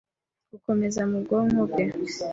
Gukomeza mu bwonko bwe